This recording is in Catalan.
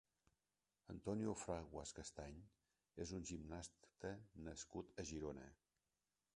Antonio Fraguas Castany és un gimnasta nascut a Girona.